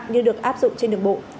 như được áp dụng trên đường bộ